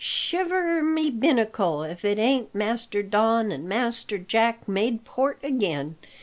"Shiver my binnacle if it ain't Master Don and Master Jack made port again!